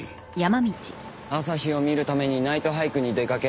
朝日を見るためにナイトハイクに出かけ